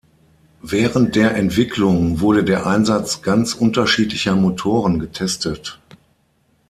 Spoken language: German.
Während der Entwicklung wurde der Einsatz ganz unterschiedlicher Motoren getestet.